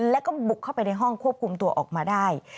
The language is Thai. แล้วก็บุกเข้าไปในห้องควบคุมตัวออกมาได้